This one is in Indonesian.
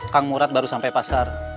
kang murad baru sampai pasar